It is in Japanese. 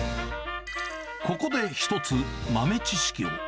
ここで一つ、豆知識を。